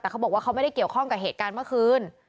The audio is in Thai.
แต่เขาบอกว่าเขาไม่ได้เกี่ยวข้องกับเหตุการณ์เมื่อคืน